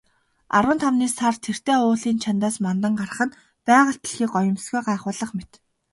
Арван тавны сар тэртээ уулын чанадаас мандан гарах нь байгаль дэлхий гоёмсгоо гайхуулах мэт.